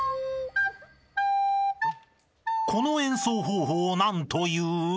［この演奏方法を何という？］